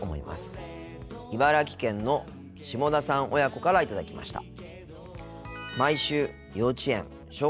茨城県の下田さん親子から頂きました。